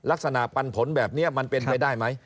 ลักษณะปันผลแบบนี้มันเป็นไว้ได้ไหม